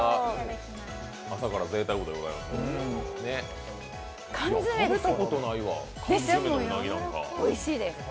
朝からぜいたくでございますね。